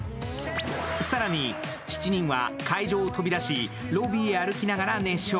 更に７人は会場を飛び出しロビーを歩きながら熱唱。